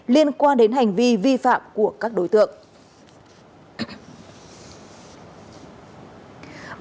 liên quan đến hành vi vi phạm của các đối tượng